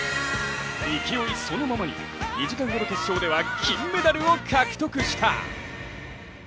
勢いそのままに２時間後の決勝では金メダルを獲得した。